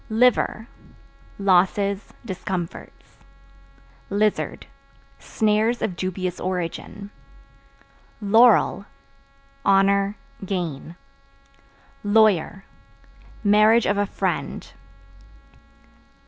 Liver Losses, discomforts. Lizard Snares of dubious origin. Laurel Honor, gain. Lawyer Marriage of a friend.